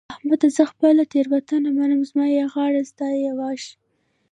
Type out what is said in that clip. احمده! زه خپله تېرونته منم؛ زما يې غاړه ستا يې واښ.